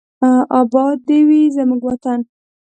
اباد دې وي زموږ وطن.